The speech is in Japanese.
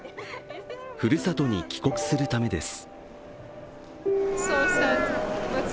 ふるさとに帰国するためです。